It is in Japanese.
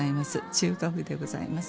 中華風でございます。